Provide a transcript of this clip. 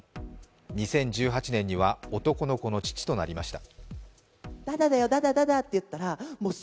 ２０１８年には男の子の父となりました。